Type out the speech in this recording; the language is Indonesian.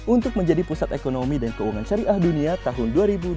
untuk menjadi pusat ekonomi dan keuangan syariah dunia tahun dua ribu dua puluh